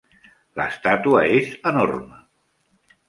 L'estàtua és enorme.